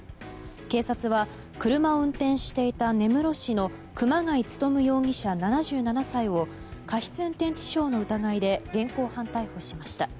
警察は車を運転していた根室市の熊谷勉容疑者、７７歳を過失運転致傷の疑いで現行犯逮捕しました。